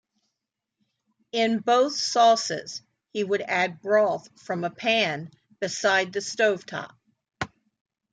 In both sauces, he would add broth from a pan beside the stove top.